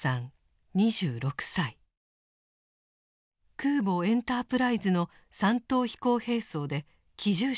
空母「エンタープライズ」の三等飛行兵曹で機銃手でした。